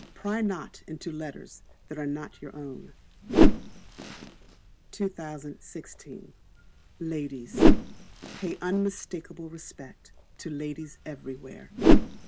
Pry not into Letters that are not your own. 2016. Ladies. Pay unmistakable Respect to ladies everywhere.